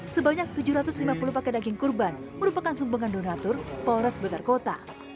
sebanyak tujuh ratus lima puluh paket daging kurban merupakan sumbangan donatur polres blitar kota